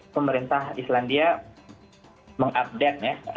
pemerintah islandia mengupdate ya